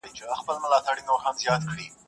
o قافیلې د ستورو وتړه سالاره,